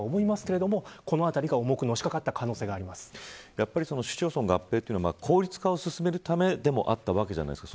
やっぱり市町村合併というのは効率化を進めるためでもあったわけじゃないですか。